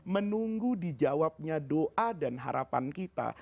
menunggu dijawabnya doa dan harapan kita